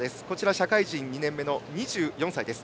社会人２年目の２４歳です。